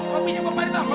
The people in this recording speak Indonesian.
kopinya gua pakai di depan